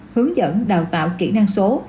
hướng dẫn đào tạo kỹ năng số